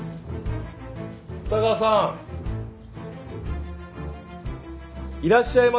二川さんいらっしゃいませんか？